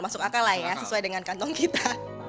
masuk akal lah ya sesuai dengan kantong kita